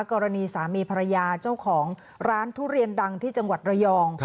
กรณีสามีภรรยาเจ้าของร้านทุเรียนดังที่จังหวัดระยอง